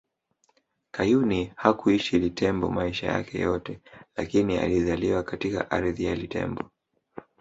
Kayuni hakuishi Litembo maisha yake yote lakini alizaliwa katika ardhi ya Litembo